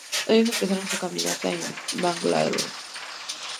Ellos empezaron su caminata en Bangalore.